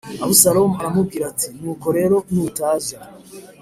Abusalomu aramubwira ati “Nuko rero nutaza